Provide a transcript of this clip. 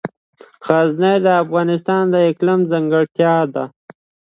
غزني د افغانستان د اقلیم ځانګړتیا ده.